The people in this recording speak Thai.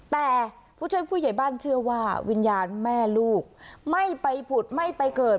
แต่ผู้ช่วยผู้ใหญ่บ้านเชื่อว่าวิญญาณแม่ลูกไม่ไปผุดไม่ไปเกิด